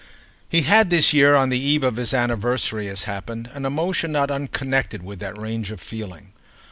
He had this year, on the eve of his anniversary, as happened, an emotion not unconnected with that range of feeling.